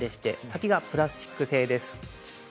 先がプラスチック製です。